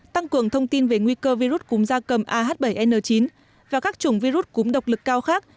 tăng cường thông tin về nguy cơ virus cúm da cầm ah bảy n chín và các chủng virus cúm độc lực cao khác